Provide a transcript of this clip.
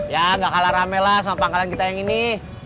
ya gak kalah ramelah soma pangkalan kita yang ini